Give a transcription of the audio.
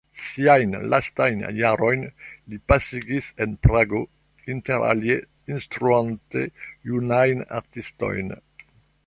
Siajn lastajn jarojn li pasigis en Prago, interalie instruante junajn artistojn.